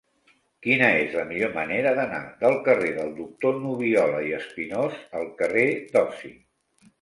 Quina és la millor manera d'anar del carrer del Doctor Nubiola i Espinós al carrer d'Osi?